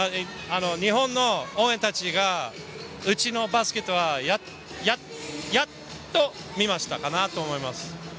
日本の応援たちが、うちのバスケットはやっと見ましたかなと思います。